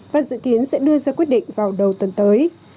và dự kiến sẽ đưa ra quyết định vào đầu tuần tới